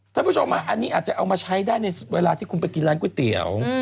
ท่านผู้ชมนี้อาจจะเอามาใช้ได้ในเวลาไปกินก๋วยเตี๋ยว